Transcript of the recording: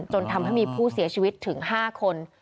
จนทำให้มีผู้เสียชีวิตถึง๕คน